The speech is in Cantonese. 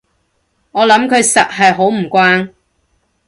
我諗佢實係好唔慣